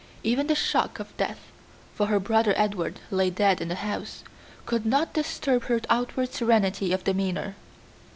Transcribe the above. Even the shock of death for her brother Edward lay dead in the house could not disturb her outward serenity of demeanor.